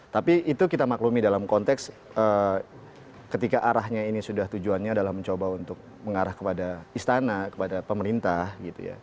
jadi itu kita maklumi dalam konteks ketika arahnya ini sudah tujuannya adalah mencoba untuk mengarah kepada istana kepada pemerintah gitu ya